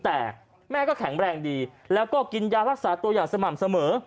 แต่แม่ก็แข็งแรงดีแล้วก็กินยารักษาตัวอย่างสม่ำเสมอ